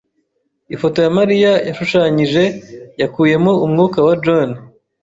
Ifoto ya Mariya yashushanyije yakuyemo umwuka wa John.